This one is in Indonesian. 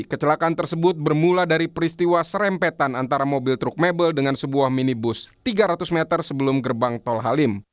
kecelakaan tersebut bermula dari peristiwa serempetan antara mobil truk mebel dengan sebuah minibus tiga ratus meter sebelum gerbang tol halim